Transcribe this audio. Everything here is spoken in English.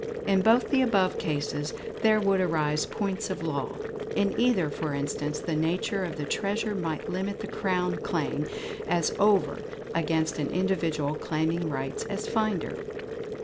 In both the above cases there would arise points of law. In either, for instance, the nature of the treasure might limit the Crown claim as over against an individual claiming rights as finder."